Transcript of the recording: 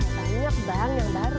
banyak bang yang baru